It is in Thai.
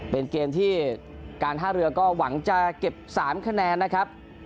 เป็นเกมที่การท่าเรือก็หวังจะเก็บ๓คะแนนนะครับ